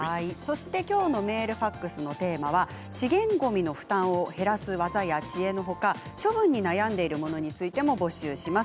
きょうのメールファックスのテーマは資源ごみの負担を減らす技や知恵のほか、処分に悩んでるものについても募集します。